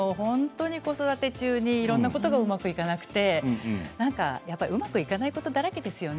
子育て中にいろんなことがうまくいかなくてうまくいかないことだらけですよね。